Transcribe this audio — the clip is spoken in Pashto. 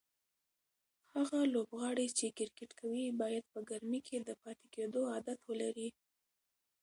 هغه لوبغاړي چې کرکټ کوي باید په ګرمۍ کې د پاتې کېدو عادت ولري.